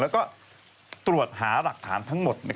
แล้วก็ตรวจหาหลักฐานทั้งหมด